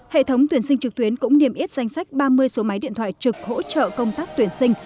hệ thống tuyển sinh trực tuyến cũng niêm yết danh sách ba mươi số máy điện thoại trực hỗ trợ công tác tuyển sinh